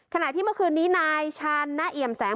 ขณะที่เมื่อคืนนี้นายชาญณเอี่ยมแสง